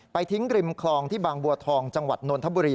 ทิ้งริมคลองที่บางบัวทองจังหวัดนนทบุรี